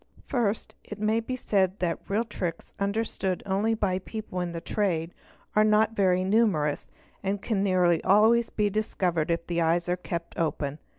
: First it may be said that real tricks understood only by people in the trade are not very numerous and can nearly always be discovered if the eyes are kept open.